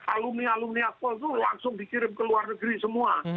alumni alumni aku langsung dikirim ke luar negeri semua